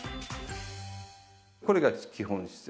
これが基本姿勢。